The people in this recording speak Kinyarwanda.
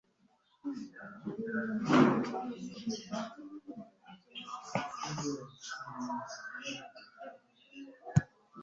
data yagize mama igikombe cya kawa nkuko abikunda